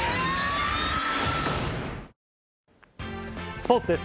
スポーツです。